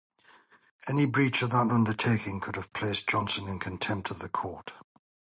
Any breach of that undertaking could have placed Johnson in contempt of the Court.